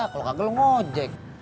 kalau kagak lu ngojek